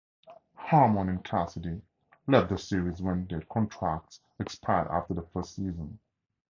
Harmon and Cassidy left the series when their contracts expired after the first season.